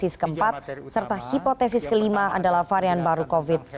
isis keempat serta hipotesis kelima adalah varian baru covid